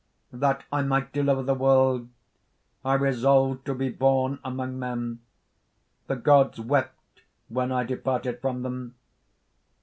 "That I might deliver the world, I resolved to be born among men. The gods wept when I departed from them.